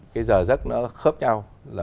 cái giờ giấc nó khớp nhau